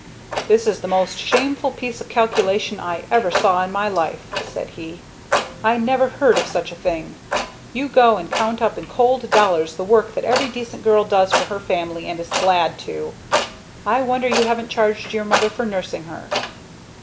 "This is the most shameful piece of calculation I ever saw in my life," said he. "I never heard of such a thing! You go and count up in cold dollars the work that every decent girl does for her family and is glad to! I wonder you haven't charged your mother for nursing her?"